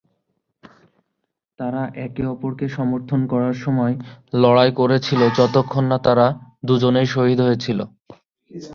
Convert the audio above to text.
তারা একে অপরকে সমর্থন করার সময় লড়াই করেছিল যতক্ষণ না তারা দুজনেই শহীদ হয়েছিল।